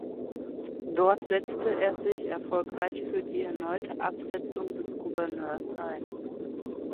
Dort setzte er sich erfolgreich für die erneute Absetzung des Gouverneurs ein.